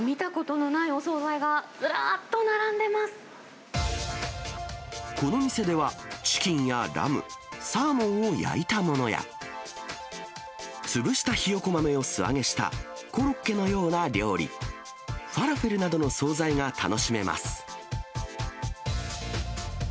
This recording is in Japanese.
見たことのこの店では、チキンやラム、サーモンを焼いたものや、潰したヒヨコ豆を素揚げしたコロッケのような料理、ファラフェルなどの総菜が楽しみます。